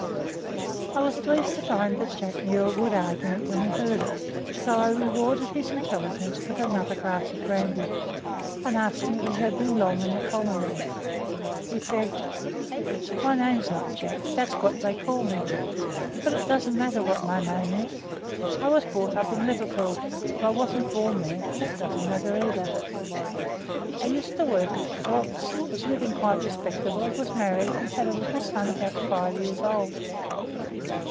I was pleased to find that Jack knew a good argument when he heard it, so I rewarded his intelligence with another glass of brandy, and asked him if he had been long in the colonies. He said: "My name's not Jack; that's what they call me, but it doesn't matter what my name is. I was brought up in Liverpool, but I wasn't born there; that doesn't matter either. I used to work at the docks, was living quite respectable, was married and had a little son about five years old.